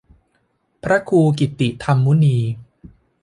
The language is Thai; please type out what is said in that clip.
พระครูกิตติธรรมมุนี